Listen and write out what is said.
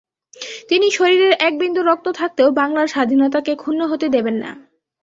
তিনি শরীরের একবিন্দু রক্ত থাকতেও বাংলার স্বাধীনতাকে ক্ষুণ্ন হতে দেবেন না।